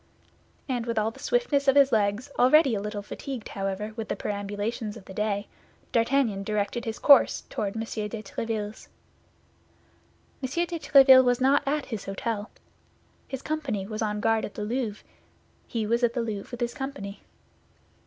And with all the swiftness of his legs, already a little fatigued, however, with the perambulations of the day, D'Artagnan directed his course toward M. de Tréville's. M. de Tréville was not at his hôtel. His company was on guard at the Louvre; he was at the Louvre with his company.